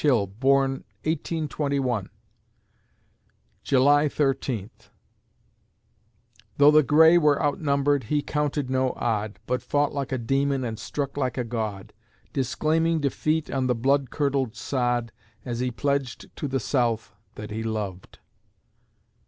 Hill born, 1821_ July Thirteenth Though the Grey were outnumbered, he counted no odd, But fought like a demon and struck like a god, Disclaiming defeat on the blood curdled sod, As he pledged to the South that he loved.